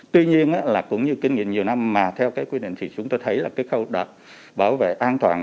tuy nhiên là cũng như kinh nghiệm nhiều năm mà theo cái quy định thì chúng tôi thấy là cái khâu bảo vệ an toàn